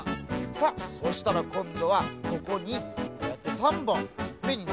さあそしたらこんどはここにこうやって３ぼんいっぺんにならべます。